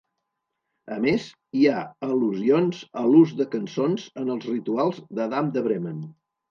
A més, hi ha al·lusions a l'ús de cançons en els rituals d'Adam de Bremen.